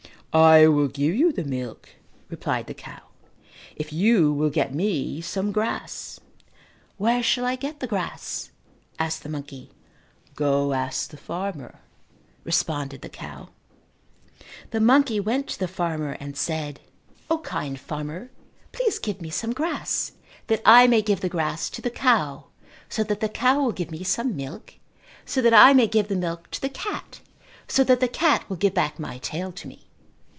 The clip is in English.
"I will give you the milk," replied the cow, "if you will get me some grass." "Where shall I get the grass?" asked the monkey. "Go ask the farmer," responded the cow. The monkey went to the farmer and said, "O, kind farmer, please give me some grass that I may give the grass to the cow so that the cow will give me some milk so that I may give the milk to the cat so that the cat will give back my tail to me."